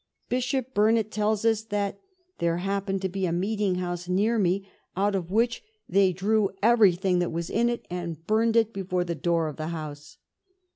Bishop Burnet tells us that '* there happened to be a meeting house near me, out of which they drew 299 THE REIGN OF QUEEN ANNE everything that was in it, and burned it before the door of the house."